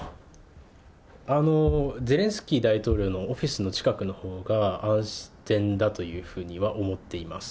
ゼレンスキー大統領のオフィスの近くのほうが、安全だというふうには思っています。